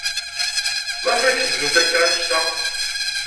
Maɣef ay tḥeznemt akk anect-a?